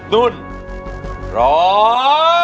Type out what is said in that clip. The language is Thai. ตุ๊ดร้อง